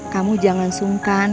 kamu jangan sungkan